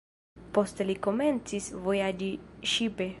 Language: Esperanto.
Poste li komencis vojaĝi ŝipe.